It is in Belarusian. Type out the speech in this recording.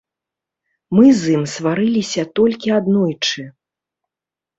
Мы з ім сварыліся толькі аднойчы.